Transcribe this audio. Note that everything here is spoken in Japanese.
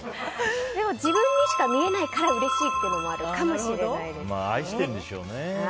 でも、自分しか見れないからうれしいっていうのもあるかもしれないです。